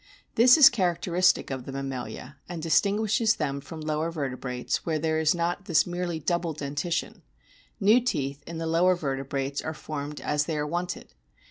This is characteristic of the mammalia, and distinguishes them from lower vertebrates where O there is not this merely double dentition ; new teeth in the lower vertebrates are formed as they are wanted.